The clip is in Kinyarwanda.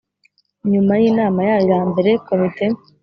Nyuma y inama yayo ya mbere komite